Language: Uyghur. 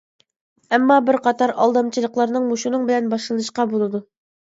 ئەمما بىر قاتار ئالدامچىلىقلارنىڭ مۇشۇنىڭ بىلەن باشلىنىشقا باشلايدۇ.